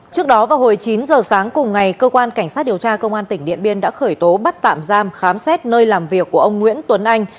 trước đó vào hồi chín giờ sáng cùng ngày cơ quan cảnh sát điều tra công an tỉnh điện biên đã khởi tố bắt tạm giam khám xét nơi làm việc của ông nguyễn tuấn anh